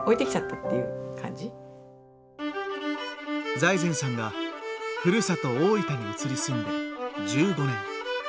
財前さんがふるさと大分に移り住んで１５年。